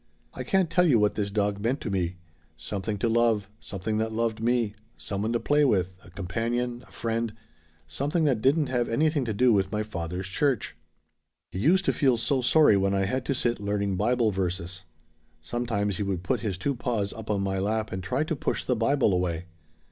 I can't tell you what this dog meant to me something to love something that loved me some one to play with a companion a friend something that didn't have anything to do with my father's church! "He used to feel so sorry when I had to sit learning Bible verses. Sometimes he would put his two paws up on my lap and try to push the Bible away.